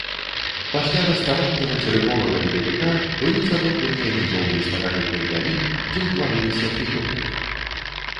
Пасля раставання мацерыковага ледавіка былі затопленыя нізоўі старажытных далін, дзе ўтварыліся фіёрды.